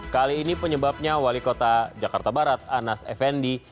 kali ini penyebabnya wali kota jakarta barat anas effendi